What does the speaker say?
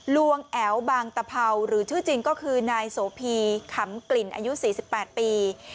ลวงแอ๋วบางตะเภาหรือชื่อจริงก็คือนายโสพีขำกลิ่นอายุ๔๘ปี